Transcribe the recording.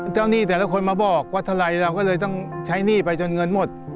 หนี้แต่ละคนมาบอกว่าเท่าไรเราก็เลยต้องใช้หนี้ไปจนเงินหมด